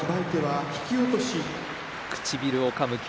唇をかむ霧